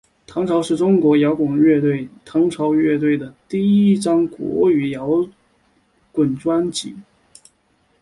唐朝是中国摇滚乐队唐朝乐队的第一张国语摇滚专辑。